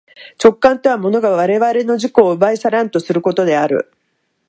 直観とは物が我々の自己を奪い去らんとすることである。